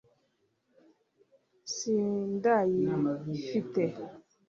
sindayifite